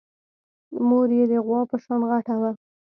مور يې د غوا په شان غټه وه.